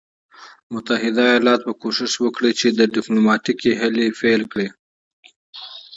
متحده ایالات به کوښښ وکړي چې ډیپلوماټیکي هلې پیل کړي.